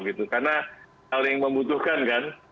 karena hal yang membutuhkan kan